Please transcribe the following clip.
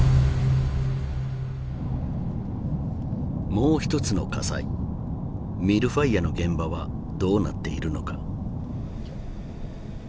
もう一つの火災ＭｉｌｌＦｉｒｅの現場はどうなっているのか。